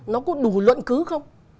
nó có đủ luận cứ không